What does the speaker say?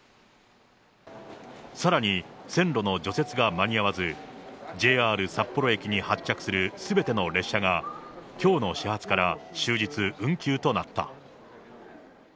さらに、線路の除雪が間に合わず、ＪＲ札幌駅に発着するすべての列車が、きょうの始発から終日運休となった。